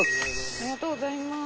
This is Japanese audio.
ありがとうございます。